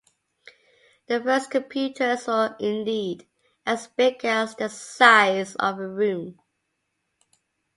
The first computers were indeed as big as the size of a room.